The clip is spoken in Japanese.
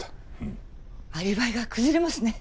アリバイが崩れますね。